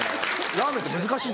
「ラーメン」難しい。